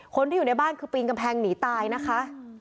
คนที่อยู่ในบ้านคือปีนกำแพงหนีตายนะคะ